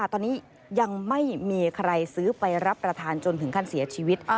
ตอนนี้ยังไม่มีใครซื้อไปรับประทานจนถึงขั้นเสียชีวิต